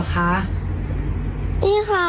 นี่คะโตเกียวเนยกรอบไหมคะ